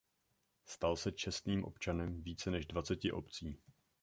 Stal se čestným občanem více než dvaceti obcí.